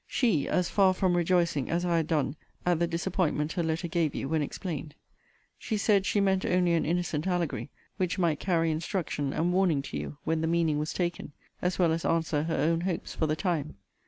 She as far from rejoicing, as I had done, at the disappointment her letter gave you when explained. She said, she meant only an innocent allegory, which might carry instruction and warning to you, when the meaning was taken, as well as answer her own hopes for the time.